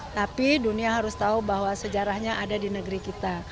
tapi dunia harus tahu bahwa sejarahnya ada di negeri kita